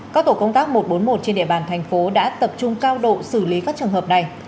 các tổ công tác một trăm bốn mươi một trên địa bàn thành phố đã tập trung cao độ xử lý các trường hợp này